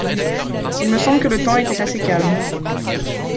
Il me semble que le temps était assez calme.